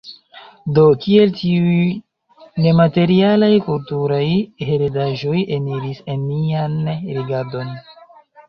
Do kiel tiuj nematerialaj kulturaj heredaĵoj eniris en nian rigardon?